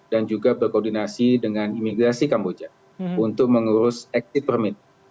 dan juga berkoordinasi dengan imigrasi kamboja untuk mengurus exit permit